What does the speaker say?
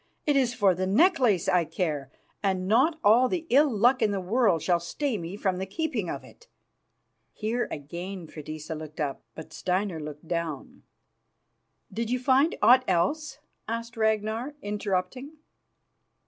It is for the necklace I care, and not all the ill luck in the world shall stay me from the keeping of it." Here again Freydisa looked up, but Steinar looked down. "Did you find aught else?" asked Ragnar, interrupting.